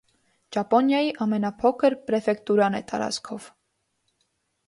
Ճապոնիայի ամենափոքր պրեֆեկտուրան է տարածքով։